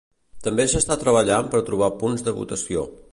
També s'està treballant per trobar punts de votació.